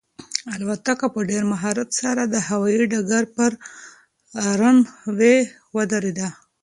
الوتکه په ډېر مهارت سره د هوایي ډګر پر رن وې ودرېده.